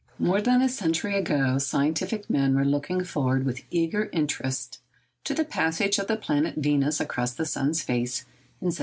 _ More than a century ago scientific men were looking forward with eager interest to the passage of the planet Venus across the sun's face in 1769.